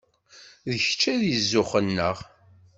D kečč ay d zzux-nneɣ.